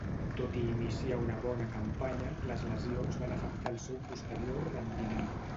Tot i iniciar una bona campanya, les lesions van afectar el seu posterior rendiment.